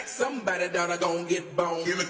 โปรดติดตามตอนต่อไป